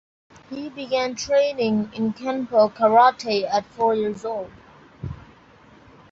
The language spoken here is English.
He began training in kenpo karate at four years old.